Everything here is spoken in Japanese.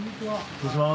失礼します。